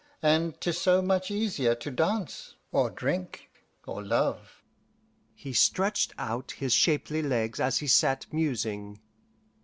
And 'tis so much easier to dance, or drink, or love." He stretched out his shapely legs as he sat musing.